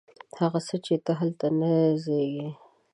هغه څه، چې هلته نه زیږي